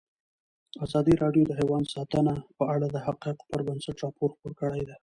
ازادي راډیو د حیوان ساتنه په اړه د حقایقو پر بنسټ راپور خپور کړی.